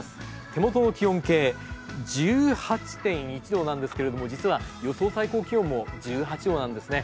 手元の気温計、１８．１度なんですけど実は予想最高気温も１８度なんですね。